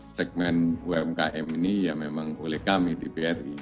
segmen umkm ini ya memang oleh kami di bri